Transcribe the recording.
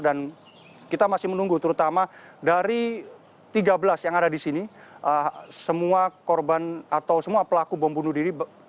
dan kita masih menunggu terutama dari tiga belas yang ada di sini semua korban atau semua pelaku bom bunuh diri